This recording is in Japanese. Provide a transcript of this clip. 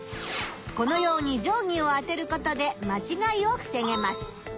このように定ぎを当てることで間違いをふせげます。